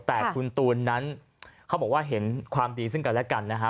แต่คุณตูนนั้นเขาบอกว่าเห็นความดีซึ่งกันและกันนะฮะ